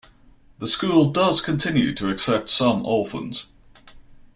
The school does continue to accept some orphans.